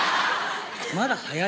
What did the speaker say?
まだ早い。